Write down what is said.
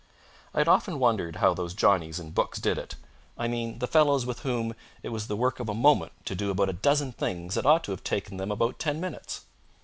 I had often wondered how those Johnnies in books did it I mean the fellows with whom it was the work of a moment to do about a dozen things that ought to have taken them about ten minutes.